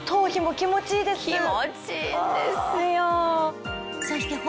気持ちいいんですよ。